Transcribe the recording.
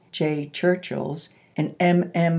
J. Churchill's and M. M.